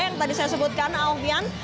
yang tadi saya sebutkan alfian